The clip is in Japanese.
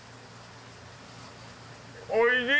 おいしい！